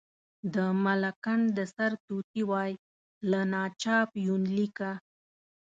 د ملکنډ د سرتوتي وی، له ناچاپ یونلیکه.